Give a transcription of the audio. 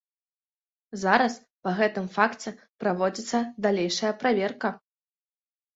Зараз па гэтым факце праводзіцца далейшая праверка.